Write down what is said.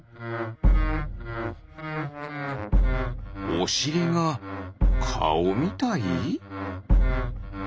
おしりがカオみたい？